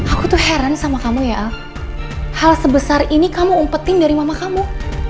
aku tuh heran sama kamu ya al sebesar ini kamu umpetin dari mama kamu